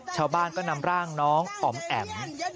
ชาวบ้านก็นำร่างน้องอ๋อมแอ๋ม